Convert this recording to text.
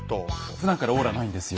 ふだんからオーラないんですよ。